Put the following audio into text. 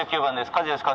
火事ですか？